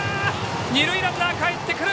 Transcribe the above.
２塁ランナーかえってくる！